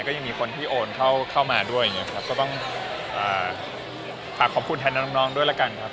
ก็ยังมีคนที่โอนเข้ามาด้วยก็ต้องฝากขอบคุณแทนน้องด้วยแล้วกันครับผม